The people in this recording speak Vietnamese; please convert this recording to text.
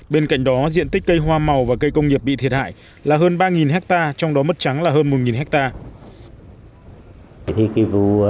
bên cạnh đó diện tích cây hoa màu và cây công nghiệp bị thiệt hại là hơn ba hectare trong đó mất trắng là hơn một hectare